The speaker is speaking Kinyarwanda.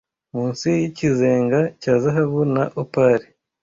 munsi yikizenga cya zahabu na opal